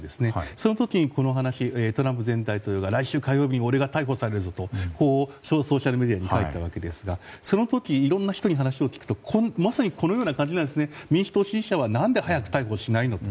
その時にトランプ前大統領が来週火曜日に俺が逮捕されるぞとソーシャルメディアに書いたわけですがその時にいろいろな人に話を聞くとまさにこのような感じで民主党支持者は何で早く逮捕しないんだと。